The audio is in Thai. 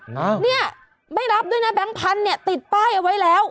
นะเนี่ยไม่รับด้วยนะแบงค์พันธุ์เนี่ยติดป้ายเอาไว้แล้ว